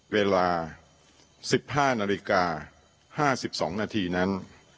เวลา๑๕นาฬิกา๕๒นาทีนั้น